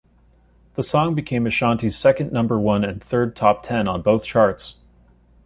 The song became Ashanti's second number one and third top ten on both charts.